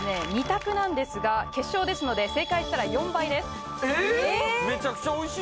２択なんですが決勝ですので正解したら４倍ですええっ？